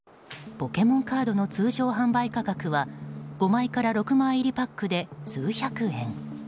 ポケモンカードの通常販売価格は５枚から６枚入りパックで数百円。